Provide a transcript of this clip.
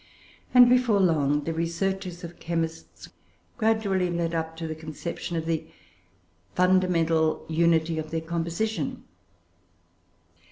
And, before long, the researches of chemists gradually led up to the conception of the fundamental unity of their composition.